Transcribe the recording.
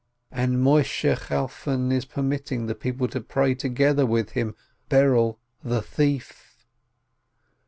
And Moisheh Chalfon is permitting the people to pray together with him, Berel the thief!